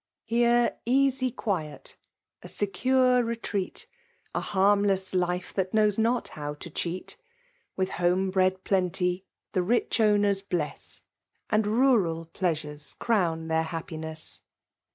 Here easy quiet, a secure retreat, Ahsnmless life that knows not how to cheat, Witk home bnd plenty, the rich owneis bltit ^ And razal pleasures crown their happiness.